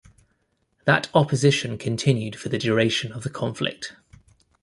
That opposition continued for the duration of the conflict.